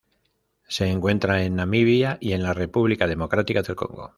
Se encuentra en Namibia y en la República Democrática del Congo.